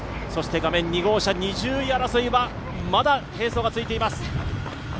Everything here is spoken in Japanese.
画面２号車、２０位争いはまだ並走が続いています。